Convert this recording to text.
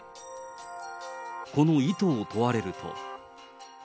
この意図を問われると。